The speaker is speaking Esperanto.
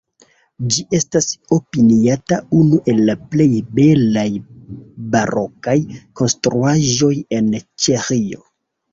Ĝi estas opiniata unu el la plej belaj barokaj konstruaĵoj en Ĉeĥio.